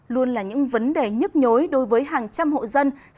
luôn là những vấn đề nhức nhối đối với hàng trăm hộ dân sống tại ấp